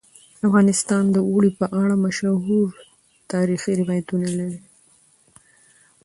افغانستان د اوړي په اړه مشهور تاریخی روایتونه لري.